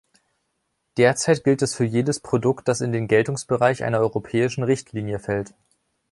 Derzeit gilt es für jedes Produkt, das in den Geltungsbereich einer europäischen Richtlinie fällt.